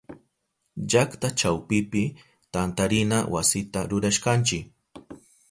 Llakta chawpipi tantarina wasita rurashkanchi.